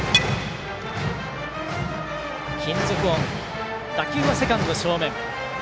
金属音、打球はセカンド正面。